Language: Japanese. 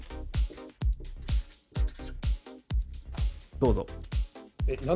どうぞ。